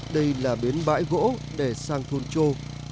đây là bến bãi gỗ để sang thôn châu